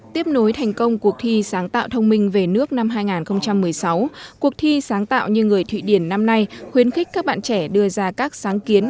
tiếp nối thành công cuộc thi sáng tạo thông minh về nước năm hai nghìn một mươi sáu cuộc thi sáng tạo như người thụy điển năm nay khuyến khích các bạn trẻ đưa ra các sáng kiến